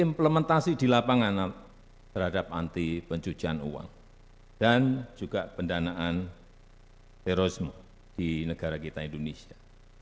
implementasi di lapangan terhadap anti pencucian uang dan juga pendanaan terorisme di negara kita indonesia